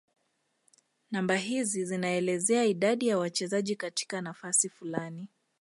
namba hizi zinaelezea idadi ya wachezaji katika nafasi fulani